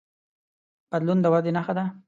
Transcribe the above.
بدلون د ودې نښه ده.